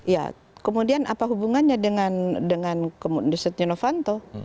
ya kemudian apa hubungannya dengan setia novanto